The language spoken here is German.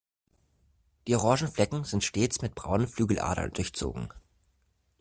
Die orangen Flecken sind stets mit braunen Flügeladern durchzogen.